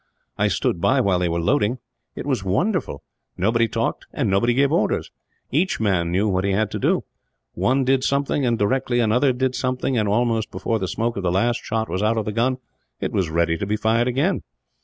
I stood by while they were loading. It was wonderful. Nobody talked, and nobody gave orders. Each man knew what he had to do one did something and, directly, another did something and, almost before the smoke of the last shot was out of the gun, it was ready to be fired again.